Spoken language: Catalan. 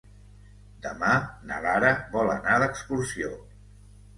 Demà na Lara vol anar d'excursió.